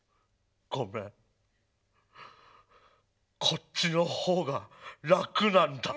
こっちの方が楽なんだ。